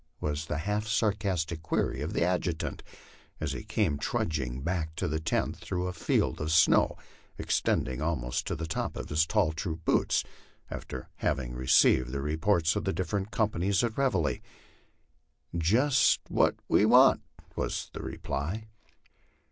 " was the half sarcastic query of the adjutant, as he came trudging back to the tent through a field of snow extending almost to the top of his tall troop boots, after having received the reports of the different com panies at reveille. "Just what we want," was the reply.